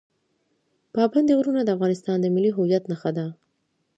پابندی غرونه د افغانستان د ملي هویت نښه ده.